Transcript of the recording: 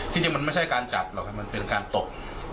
จริงมันไม่ใช่การจับหรอกครับมันเป็นการตบ